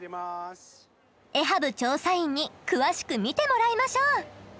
エハブ調査員に詳しく見てもらいましょう！